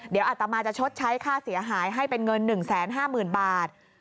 เดี๋ยวอัตมาจะชดใช้ค่าเสียหายให้เป็นเงิน๑๕๐๐๐บาท